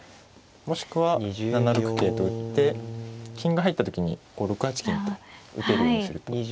もしくは７六桂と打って金が入った時にこう６八金と打てるようにすると。